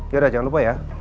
yaudah jangan lupa ya